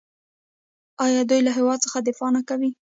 آیا دوی له هیواد څخه دفاع نه کوي؟